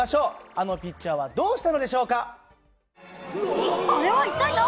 あのピッチャーはどうしたのでしょうか？